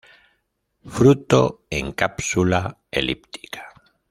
Fruto en cápsula elíptica.